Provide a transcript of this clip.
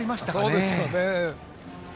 そうですね。